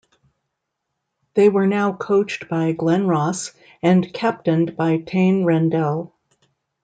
They were now coached by Glenn Ross and captained by Taine Randell.